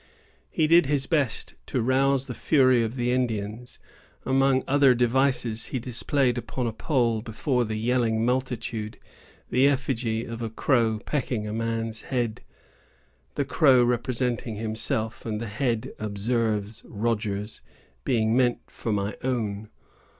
He did his best to rouse the fury of the Indians. Among other devices, he displayed upon a pole, before the yelling multitude, the effigy of a crow pecking a man's head; the crow representing himself, and the head, observes Rogers, "being meant for my own."